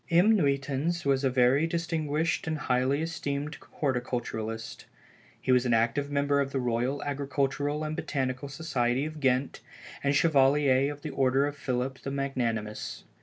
M. Nuytans was a very distinguished and highly esteemed horticulturist; he was an active member of the Royal Agricultural and Botanical Society of Ghent and Chevalier of the Order of Philip the Magnanimous.